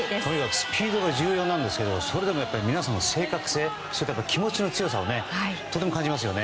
スピードが重要なんですけど、それでも皆さんの正確性それから気持ちの強さをとても感じますよね。